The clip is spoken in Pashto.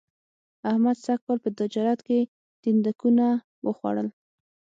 احمد سږ کال په تجارت کې تیندکونه و خوړل